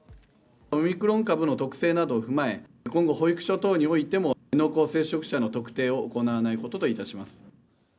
オミクロン株の特性などを踏まえ、今後、保育所等においても、濃厚接触者の特定を行わないことといたします。